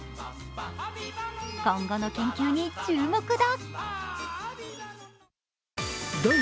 今後の研究に注目だ！